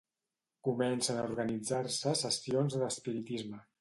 Comencen a organitzar-se sessions d'espiritisme.